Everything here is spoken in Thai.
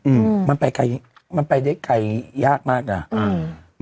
อืมมันไปไกลมันไปได้ไกลยากมากน่ะอืม